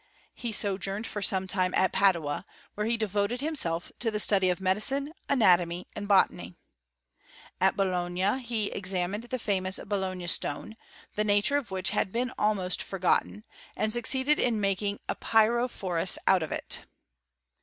He sojourned for some time at Padua, where he devoted himself to the study of medicine, anatomy, and botany. At Bologna he examined the famous Bo logna stone, the nature of which had been almost forgotten, and succeeded in making a pyrophorus out of it.